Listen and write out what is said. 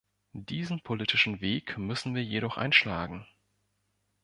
Diesen politischen Weg müssen wir jedoch einschlagen.